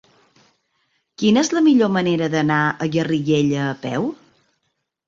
Quina és la millor manera d'anar a Garriguella a peu?